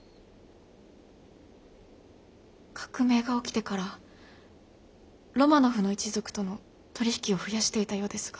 革命が起きてからロマノフの一族との取り引きを増やしていたようですが。